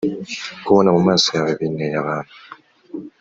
kubona mumaso yawe binteye abantu